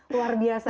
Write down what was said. luar biasa ya